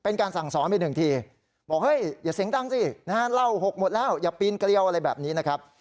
นานเหล้าหกหมดแล้วอย่าปีนเกรียวอะไรแบบนี้นะครับ